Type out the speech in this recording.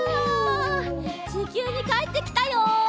ちきゅうにかえってきたよ！